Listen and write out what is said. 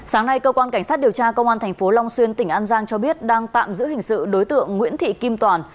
sáng nay cơ quan cảnh sát điều tra công an tp long xuyên tỉnh an giang cho biết đang tạm giữ hình sự đối tượng nguyễn thị kim toàn